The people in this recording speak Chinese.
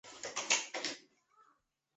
早期的大环道是由马头围道。